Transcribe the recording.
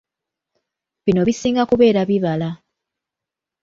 Bino bisinga kubeera bibala.